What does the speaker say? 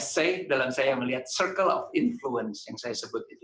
tiga c dalam saya melihat circle of influence yang saya sebut